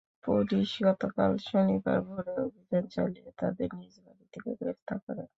Police গতকাল শনিবার ভোরে অভিযান চালিয়ে তাঁদের নিজ বাড়ি থেকে গ্রেপ্তার করে।